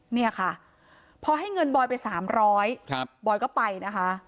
เนี่ยค่ะพอให้เงินบอยไป๓๐๐บอยก็ไปนะคะ